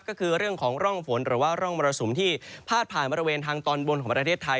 ก็คือเรื่องของร่องฝนหรือว่าร่องมรสุมที่พาดผ่านบริเวณทางตอนบนของประเทศไทย